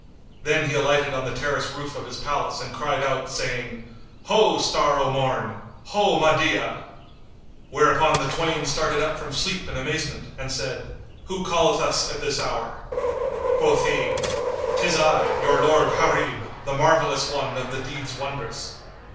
Then he alighted on the terrace roof of his palace and cried out, saying, "Ho, Star o' Morn! Ho, Mahdiyah!" Whereupon the twain started up from sleep in amazement and said, "Who calleth us at this hour?" Quoth he, "'Tis I, your lord, Gharib, the Marvellous One of the deeds wondrous."